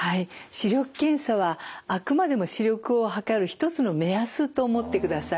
視力検査はあくまでも視力を測る一つの目安と思ってください。